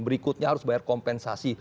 berikutnya harus bayar kompensasi